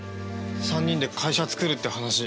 ３人で会社作るって話。